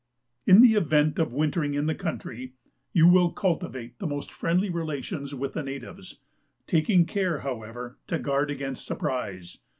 In the event of wintering in the country, you will cultivate the most friendly relations with the natives, taking care, however, to guard against surprise.